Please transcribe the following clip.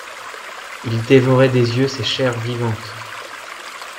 Ils dévoraient des yeux ces chairs vivantes!